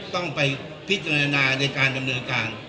ต้องไปพิจารณาในการดำเนินการ